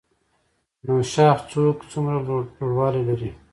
نوشاخ څوکه څومره لوړوالی لري؟